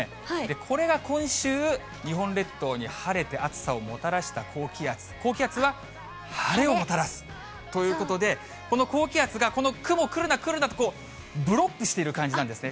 これが今週、日本列島に晴れて暑さをもたらした高気圧、高気圧は晴れをもたらす。ということで、この高気圧がこの雲来るな、来るなとブロックしている感じなんですね。